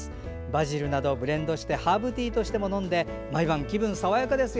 バジルなどブレンドしてハーブティーとしても飲んで毎晩、気分爽やかです